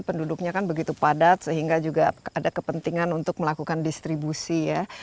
penduduknya kan begitu padat sehingga juga ada kepentingan untuk melakukan distribusi ya